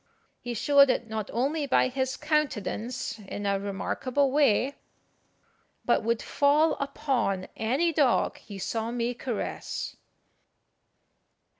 He showed it not only by his countenance in a remarkable way, but would fall upon any dog he saw me caress.